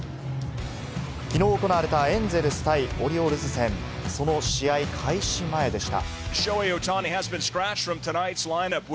きのう行われたエンゼルス対オリオールズ戦、その試合開始前でした。